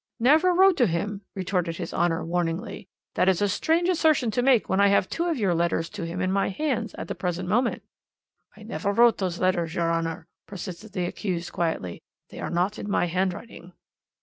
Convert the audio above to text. "'Never wrote to him?' retorted his Honour warningly. 'That is a strange assertion to make when I have two of your letters to him in my hands at the present moment.' "'I never wrote those letters, your Honour,' persisted the accused quietly, 'they are not in my handwriting.'